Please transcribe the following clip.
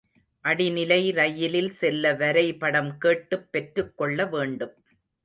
அடிநிலை ரயிலில் செல்ல வரைபடம் கேட்டுப் பெற்றுக்கொள்ள வேண்டும்.